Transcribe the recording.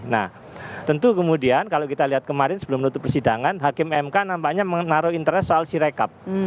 nah tentu kemudian kalau kita lihat kemarin sebelum menutup persidangan hakim mk nampaknya menaruh interest soal sirekap